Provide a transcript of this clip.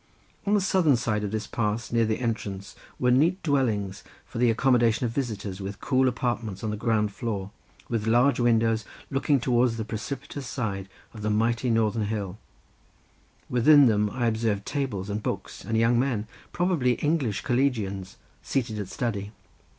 On the southern side of this pass near the entrance were neat dwellings for the accommodation of visitors with cool apartments on the ground floor with large windows, looking towards the precipitous side of the mighty northern hill; within them I observed tables, and books, and young men, probably English collegians, seated at study.